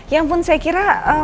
ya ampun saya kira